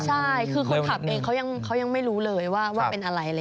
ใช่คือคนขับเองเขายังไม่รู้เลยว่าเป็นอะไรเลย